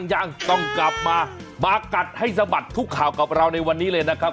ยังต้องกลับมามากัดให้สะบัดทุกข่าวกับเราในวันนี้เลยนะครับ